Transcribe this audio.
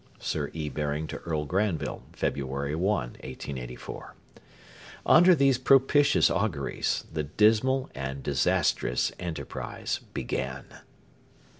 [Sir E. Baring to Earl Granville, February 1,1884.] Under these propitious auguries the dismal and disastrous enterprise began.